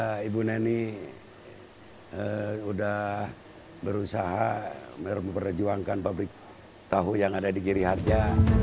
kepada ibu neni udah berusaha berjuangkan pabrik tahu yang ada di giri harja